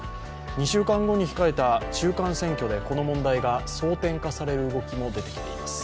２週間後に控えた中間選挙でこの問題が争点化される動きも出てきています。